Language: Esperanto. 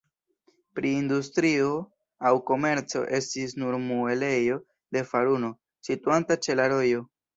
Pri industrio aŭ komerco estis nur muelejo de faruno, situanta ĉe la rojo.